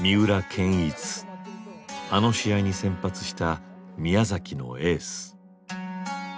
あの試合に先発した宮崎のエース。